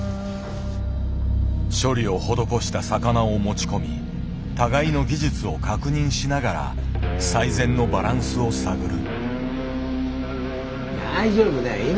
処理を施した魚を持ち込み互いの技術を確認しながら最善のバランスを探る。